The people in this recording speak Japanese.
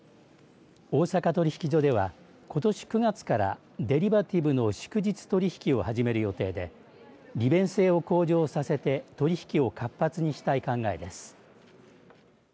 大阪取引所では、ことし９月からデリバティブの祝日取引を始める予定で利便性を向上させて取り引きを活発にしたい考えです。